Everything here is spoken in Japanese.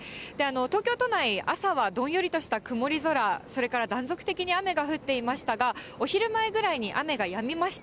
東京都内、朝はどんよりとした曇り空、それから断続的に雨が降っていましたが、お昼前ぐらいに雨がやみました。